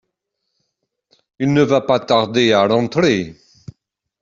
Il ne va pas tarder à rentrer.